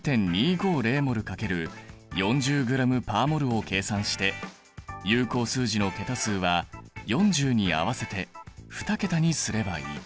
０．２５０ｍｏｌ×４０ｇ／ｍｏｌを計算して有効数字の桁数は４０に合わせて２桁にすればいい。